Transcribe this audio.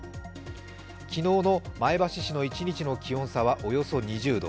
昨日の前橋市の一日の気温差はおよそ２０度。